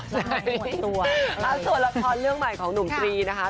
ส่วนละครเรื่องใหม่ของหนุ่มตรีนะคะ